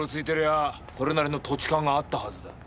あそれなりの土地勘があったはずだ。